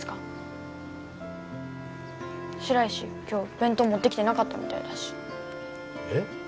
今日弁当持ってきてなかったみたいだしえっ？